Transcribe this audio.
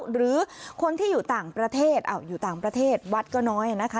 หรือคนที่อยู่ต่างประเทศอยู่ต่างประเทศวัดก็น้อยนะคะ